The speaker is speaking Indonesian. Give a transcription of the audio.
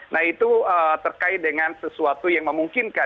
nah itu terkait dengan sesuatu yang memungkinkan